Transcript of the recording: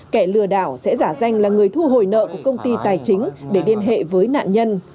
kẻ lừa đảo sẽ giả danh là người thu hồi nợ của công ty tài chính để liên hệ với nạn nhân